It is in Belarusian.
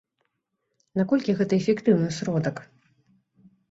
Наколькі гэта эфектыўны сродак?